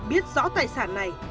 biết rõ tài sản này